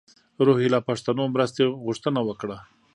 روهیله پښتنو مرستې غوښتنه وکړه.